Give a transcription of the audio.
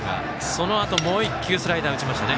そのあと、もう１球スライダー打ちましたね。